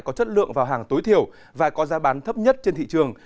có chất lượng vào hàng tối thiểu và có giá bán thấp nhất trên thị trường